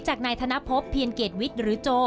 จากนายธนภพเพียนเกดวิทย์หรือโจ